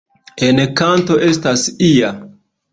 En kanto estas ia.